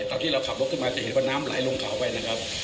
ตอนที่เราขับรถขึ้นมาจะเห็นว่าน้ำไหลลงเขาไปนะครับ